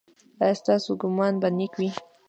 ایا ستاسو ګمان به نیک وي؟